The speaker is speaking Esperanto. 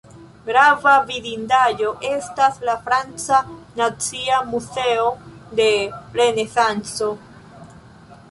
Grava vidindaĵo estas la franca nacia muzeo de renesanco.